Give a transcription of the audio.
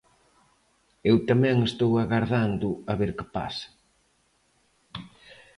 Eu tamén estou agardando a ver que pasa.